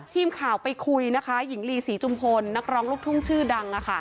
ทีมข่าวไปคุยนะคะหญิงลีศรีจุมพลนักร้องลูกทุ่งชื่อดัง